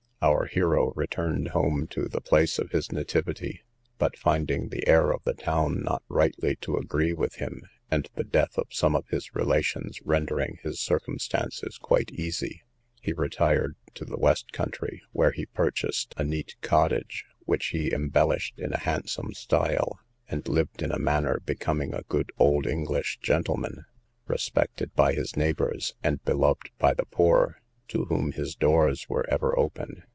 Our hero returned home to the place of his nativity, but finding the air of the town not rightly to agree with him, and the death of some of his relations rendering his circumstances quite easy, he retired to the west country, where he purchased a neat cottage, which he embellished in a handsome style, and lived in a manner becoming a good old English gentleman, respected by his neighbours, and beloved by the poor, to whom his doors were ever open.